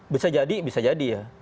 bisa jadi bisa jadi ya